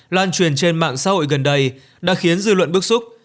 lan truyền trên mạng xã hội gần đây đã khiến dư luận bức xúc